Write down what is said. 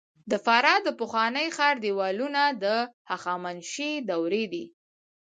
د فراه د پخواني ښار دیوالونه د هخامنشي دورې دي